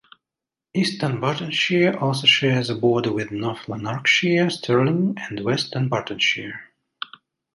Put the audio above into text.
East Dunbartonshire also shares a border with North Lanarkshire, Stirling and West Dunbartonshire.